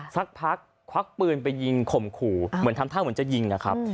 สักพักควักปืนไปยิงข่มขู่เหมือนทำท่าเหมือนจะยิงนะครับ